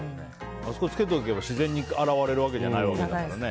あそこにつけておけば自然に洗われるわけじゃないですからね。